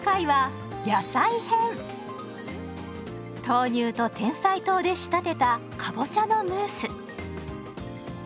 豆乳とてんさい糖で仕立てたかぼちゃのムース。